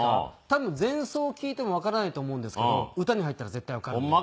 多分前奏を聴いてもわからないと思うんですけど歌に入ったら絶対わかるので。